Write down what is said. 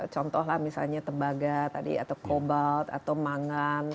contoh lah misalnya tembaga tadi atau kobalt atau mangan